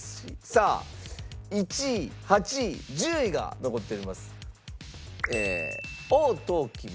さあ１位８位１０位が残っております。